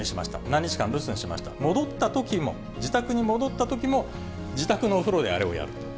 何日間留守にしました、戻ったときも、自宅に戻ったときも、自宅のお風呂であれをやる。